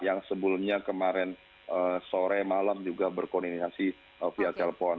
yang sebelumnya kemarin sore malam juga berkoordinasi via telepon